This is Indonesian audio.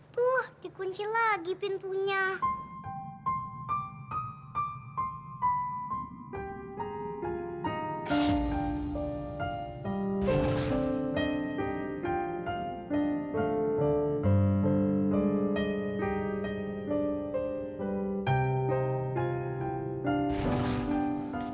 tuh dikunci lagi pintunya